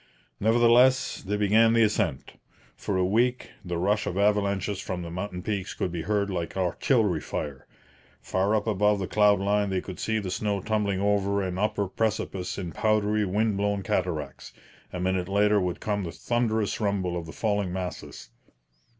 Nevertheless, they began the ascent. For a week the rush of avalanches from the mountain peaks could be heard like artillery fire. Far up above the cloud line they could see the snow tumbling over an upper precipice in powdery wind blown cataracts; a minute later would come the thunderous rumble of the falling masses.